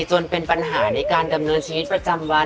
จนเป็นปัญหาในการดำเนินชีวิตประจำวัน